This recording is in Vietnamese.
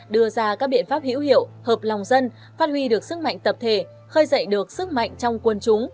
đưa ra các biện pháp hữu hiệu hợp lòng dân phát huy được sức mạnh tập thể khơi dậy được sức mạnh trong quân chúng